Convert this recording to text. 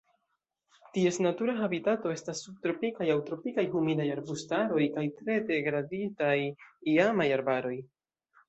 Ties natura habitato estas subtropikaj aŭ tropikaj humidaj arbustaroj kaj tre degraditaj iamaj arbaroj.